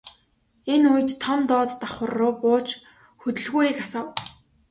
Энэ үед Том доод давхарруу бууж хөдөлгүүрийг асаав.